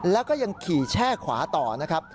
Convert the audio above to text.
แล้วก็ยังขี่แช่ขวาต่อนะครับ